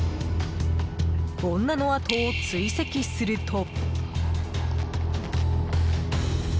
女のあとを追跡すると。